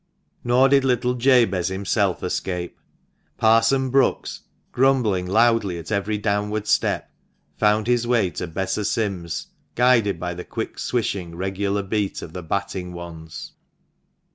Nor did little Jabez himself escape. Parson Brookes, grumbling loudly at every downward step, found his way to Bess o' Sim's, guided by the quick swishing, regular beat of the batting wands.